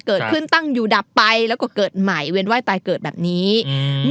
เกิดขึ้นตั้งอยู่ดับไปแล้วก็เกิดใหม่เวียนไหว้ตายเกิดแบบนี้อืม